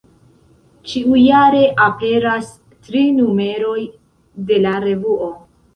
Ĉiujare aperas tri numeroj de la revuo.